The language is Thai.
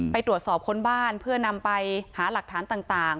ไปตรวจสอบคนบ้านเพื่อนำไปหาหลักฐานต่าง